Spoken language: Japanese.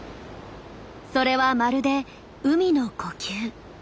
それはまるで海の呼吸。